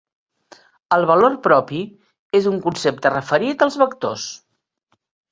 El valor propi és un concepte referit als vectors.